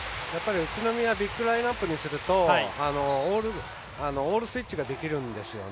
宇都宮ビッグラインアップにするとオールスイッチができるんですよね。